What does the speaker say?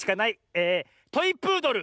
えトイプードル。